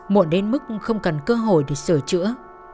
muộn đến mức không cần cơ hội để sửa chữa